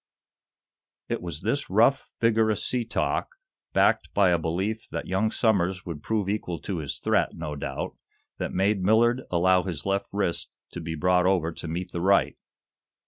It was this rough, vigorous sea talk, backed by a belief that young Somers would prove equal to his threat, no doubt, that made Millard allow his left wrist to be brought over to meet the right.